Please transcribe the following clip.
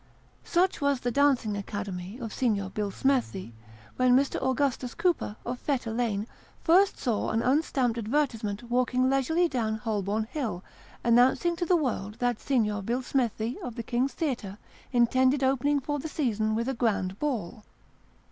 Such was the dancing academy of Signor Billsmethi, when Mr. Augustus Cooper, of Fetter Lane, first saw an unstamped advertisement walking leisurely down Holborn Hill, announcing to the world that Signor Billsmethi, of the King's Theatre, intended opening for the season with a Grand Ball.